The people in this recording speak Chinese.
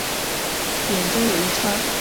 眼周有一圈半月形的亮灰色羽毛。